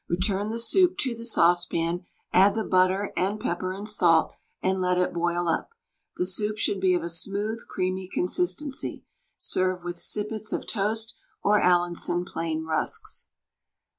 Return the soup to the saucepan, add the butter and pepper and salt, and let it boil up. The soup should be of a smooth, creamy consistency. Serve with sippets of toast or Allinson plain rusks.